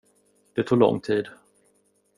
Det tog lång tid.